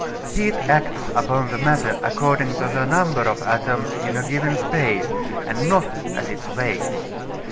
Heat acts upon matter according to the number of atoms in a given space, and not as its weight.